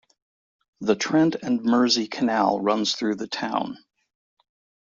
The Trent and Mersey Canal runs through the town.